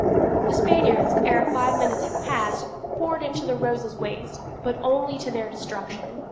The Spaniards, ere five minutes had passed, poured into the Rose's waist, but only to their destruction.